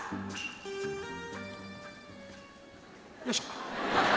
よいしょ。